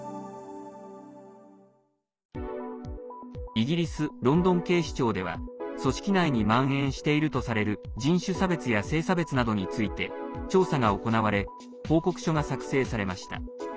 イギリス・ロンドン警視庁では組織内にまん延しているとされる人種差別や性差別などについて調査が行われ報告書が作成されました。